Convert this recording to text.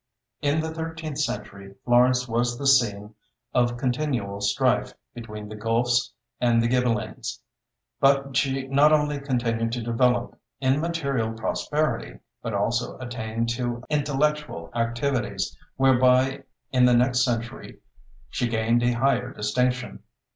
In the thirteenth century Florence was the scene of continual strife between the Guelfs and Ghibellines, but she not only continued to develop in material prosperity, but also attained to intellectual activities whereby in the next century she gained a higher distinction.